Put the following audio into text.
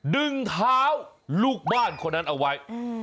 ดึงเท้าลูกบ้านคนนั้นเอาไว้